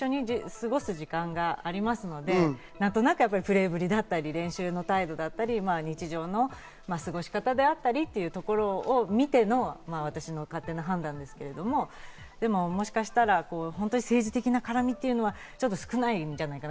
ただ一緒に過ごす時間がありますので、何となくプレーぶりだったり、練習の態度だったり、日常の過ごし方であったりというところを見ての私の勝手な判断ですけど、もしかしたら本当に政治的な絡みというのは少ないんじゃないかな。